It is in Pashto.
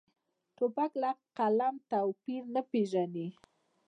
توپک له قلم توپیر نه پېژني.